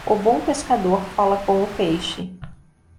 O bom pescador fala com o peixe.